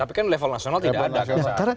tapi kan level nasional tidak ada